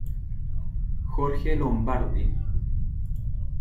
Jorge Lombardi.